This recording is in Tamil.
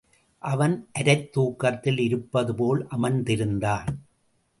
அவன் அரைத் தூக்கத்தில் இருப்பது போல் அமர்ந்திருந்தான்.